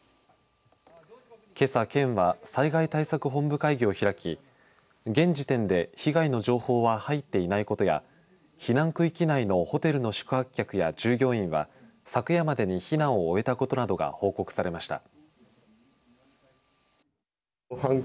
けさ県は災害対策本部会議を開き現時点で被害の情報は入っていないことや避難区域内のホテルの宿泊客や従業員は昨夜までに避難を終えたことなどが報告されました。